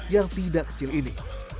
yang tidak kecil ini